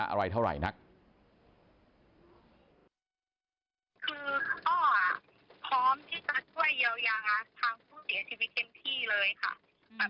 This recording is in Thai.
คืออ้ออ่ะพร้อมที่จะช่วยอย่างทางผู้เสียชีวิตเต็มที่เลยค่ะ